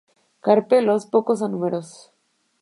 Carpelos pocos a numerosos.